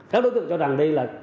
các đối tượng cho rằng đây là